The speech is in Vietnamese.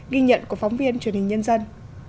ghi nhận của phóng viên truyền hình nhân dân